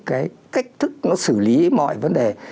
cái cách thức nó xử lý mọi vấn đề